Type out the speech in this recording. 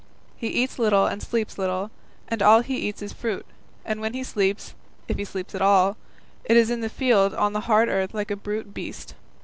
He eats little and sleeps little, and all he eats is fruit, and when he sleeps, if he sleeps at all, it is in the field on the hard earth like a brute beast.